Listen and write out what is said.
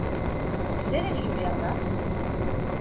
Zer egin behar da?